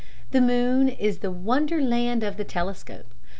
The moon is the wonder land of the telescope.